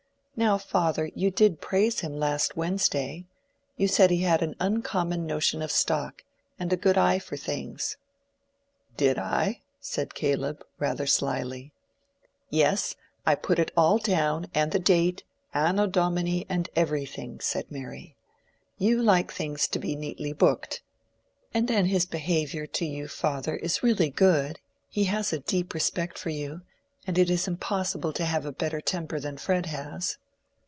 "Now, father, you did praise him last Wednesday. You said he had an uncommon notion of stock, and a good eye for things." "Did I?" said Caleb, rather slyly. "Yes, I put it all down, and the date, anno Domini, and everything," said Mary. "You like things to be neatly booked. And then his behavior to you, father, is really good; he has a deep respect for you; and it is impossible to have a better temper than Fred has."